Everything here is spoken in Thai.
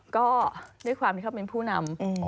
ก็ด้วยความที่เขาเป็นผู้นำ